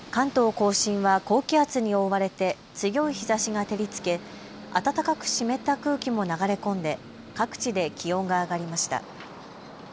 甲信は高気圧に覆われて強い日ざしが照りつけ暖かく湿った空気も流れ込んで各地で気温が上がりました。